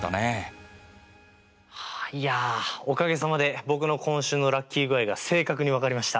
いやおかげさまで僕の今週のラッキー具合が正確に分かりました。